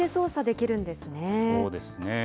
そうですね。